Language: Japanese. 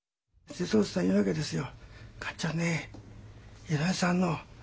瀬戸内さん言うわけですよ。